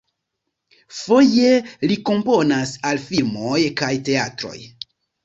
Foje li komponas al filmoj kaj teatroj.